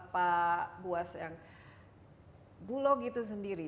pak buas yang bulog itu sendiri